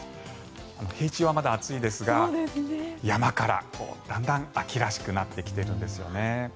平地はまだ暑いですが山からだんだん秋らしくなってきているんですよね。